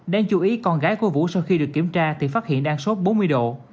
đáng chú ý con gái của vũ sau khi được kiểm tra thì phát hiện đang sốt bốn mươi độ